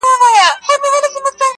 تاته سلام په دواړو لاسو كوم~